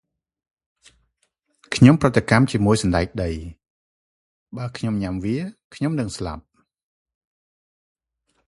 ខ្ញុំប្រតិកម្មជាមួយសណ្ដែកដី។ បេីខ្ញុំញ៉ាំវា ខ្ញុំនឹងស្លាប់។